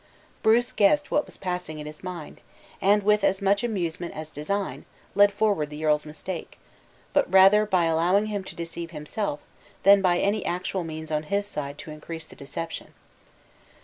Bruce guessed what was passing in his mind; and, with as much amusement as design, led forward the earl's mistake but rather by allowing him to deceive himself, than by any actual means on his side to increase the deception.